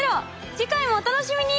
次回もお楽しみに！